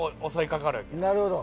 なるほど。